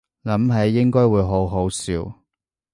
諗起應該會好好笑